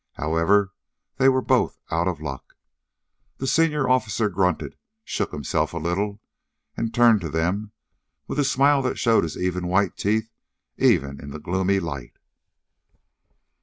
However, they were both out of luck. The senior officer grunted, shook himself a little, and turned to them with a smile that showed his even white teeth even in the gloomy light.